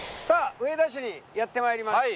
上田市にやってまいりました